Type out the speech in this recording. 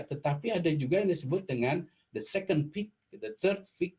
tetapi ada juga yang disebut dengan the second peak third peak